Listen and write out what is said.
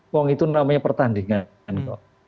wong itu namanya pertandingan kok